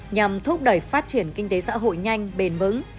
nhằm thúc đẩy phát triển kinh tế xã hội nhanh bền vững